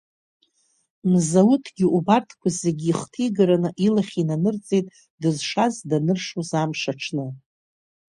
Мзауҭгьы убарҭқәа зегьы ихҭигараны илахь инанырҵеит дызшаз даныршоз амш аҽны.